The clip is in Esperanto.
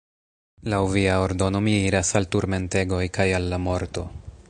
Laŭ via ordono mi iras al turmentegoj kaj al la morto!